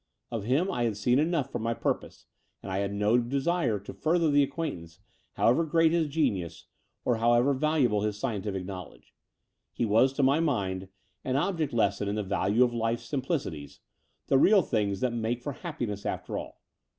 Of him I had seen enough for my pmpose; and I had no desire to further the acquaintance, however great his genius or however valuable his scientific knowledge. He was, to my mind, an object lesson in the value of life's simplicities, the real things that make for happiness after all.